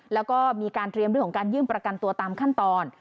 แล้วก็มีการเตรียมเรื่องของการยื่นประกันตัวตามขั้นตอน